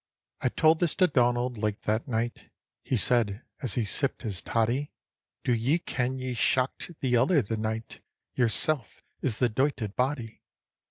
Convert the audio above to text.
'" I told this to Donald late that night; He said, as he sipped his toddy, "Do ye ken ye shocked the elder the night? Yersel' is the doited body.